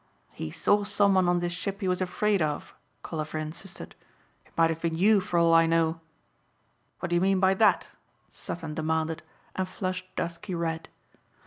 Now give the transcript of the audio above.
"He saw someone on this ship he was afraid of," Colliver insisted. "It might have been you for all I know." "What do you mean by that?" Sutton demanded and flushed dusky red.